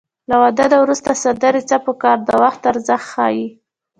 له واده نه وروسته سندرې څه په کار د وخت ارزښت ښيي